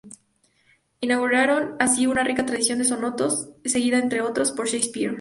Inauguraron así una rica tradición de sonetos, seguida, entre otros, por Shakespeare.